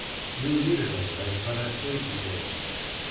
"You need it, all right, by that face of yours!"